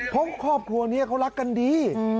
เพราะครอบครัวนี้เขารักกันดี